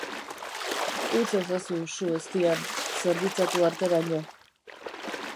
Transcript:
Utz ezazu su eztian, zerbitzatu arteraino.